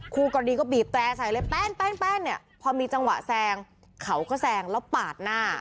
คู่กรณีก็บีบแตร่ใส่เลยแป้นเนี่ยพอมีจังหวะแซงเขาก็แซงแล้วปาดหน้า